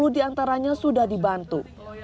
lima puluh diantaranya sudah dibantu